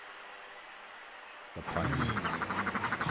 THE PIONEER.